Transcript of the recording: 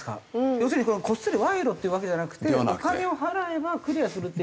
要するにこっそり賄賂っていうわけじゃなくてお金を払えばクリアするって意味わかんないですよね？